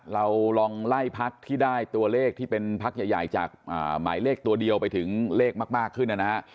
เราลองไล่พักที่ได้ตัวเลขที่เป็นพักใหญ่จากหมายเลขตัวเดียวไปถึงเลขมากขึ้นนะฮะ